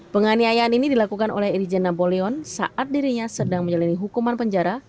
penganiayaan ini dilakukan oleh irjen napoleon saat dirinya sedang menjalani hukuman penjara